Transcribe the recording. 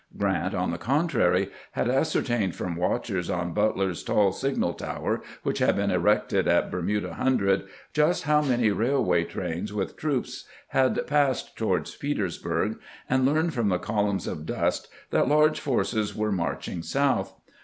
Grant, on the contrary, had ascertained from watchers on Butler's tall signal tower, which had been erected at Bermuda Hun dred, just how many railway trains with troops had passed toward Petersburg, and learned from the col umns of dust that large forces were marching south.